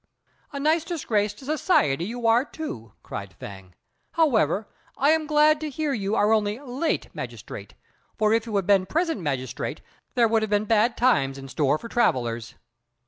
"A nice disgrace to society you are, too," cried Fêng; "however, I am glad to hear you are only late magistrate, for if you had been present magistrate there would be bad times in store for travellers."